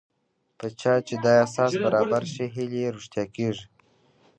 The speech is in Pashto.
په چا چې دا احساس برابر شي هیلې یې رښتیا کېږي